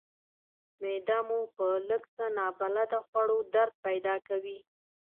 معده مو په لږ څه نابلده خوړو درد پیدا کوي.